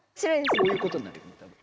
こういうことになるよね。